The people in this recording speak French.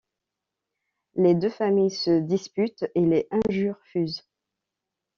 Les deux familles se disputent et les injures fusent.